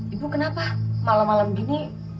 ibu kenapa malam malam gini